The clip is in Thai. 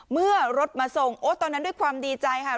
เมื่อรถมาส่งโอ๊ตตอนนั้นด้วยความดีใจค่ะ